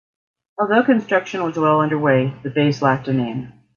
Although construction was well underway, the base lacked a name.